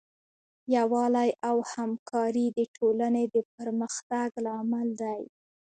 یووالی او همکاري د ټولنې د پرمختګ لامل دی.